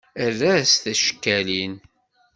Err-as ticekkalin.